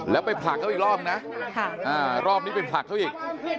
แล้วไปผลักเขาอีกรอบนึงนะรอบนี้ไปผลักเขาอีก